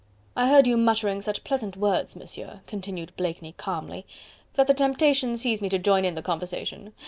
"I heard you muttering such pleasant words, Monsieur," continued Blakeney calmly, "that the temptation seized me to join in the conversation.